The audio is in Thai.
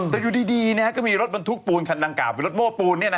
แต่อยู่ดีก็มีรถบรรทุกปูนคันดังกล่าเป็นรถโม้ปูน